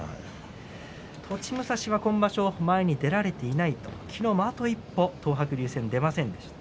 栃武蔵は今場所前に出られていないと昨日もあと一歩、東白龍戦出ませんでした。